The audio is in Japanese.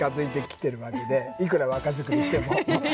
いくら若作りしても。